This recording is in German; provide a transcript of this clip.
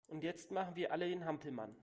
Und jetzt machen wir alle den Hampelmann!